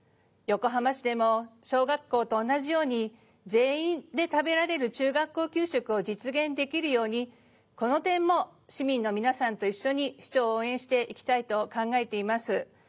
横浜市でも小学校と同じように全員で食べられる中学校給食を実現できるようにこの点も市民の皆さんと一緒に市長を応援していきたいと考えています。